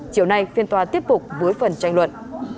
chiều nay phiên tòa tiếp tục với phần tranh luận